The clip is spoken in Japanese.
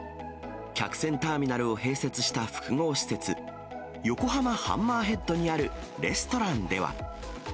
客船ターミナルを併設した複合施設、横浜ハンマーヘッドにあるレストランでは。